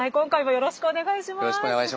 よろしくお願いします。